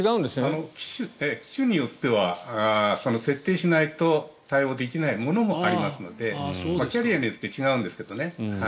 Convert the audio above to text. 機種によっては設定しないと対応できないものもありますのでキャリアによって違うんですけどね。